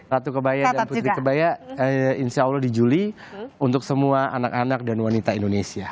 ratu kebaya dan putri kebaya insya allah di juli untuk semua anak anak dan wanita indonesia